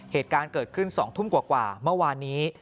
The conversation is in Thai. เหตุการณ์เกิดขึ้น๒ทุ่มกว่าเมื่อวานนี้